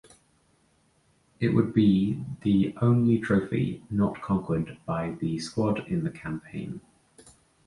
It would be the only trophy not conquered by the squad in the campaign.